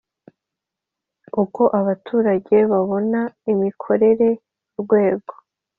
Uko abaturage babona imikorere y urwego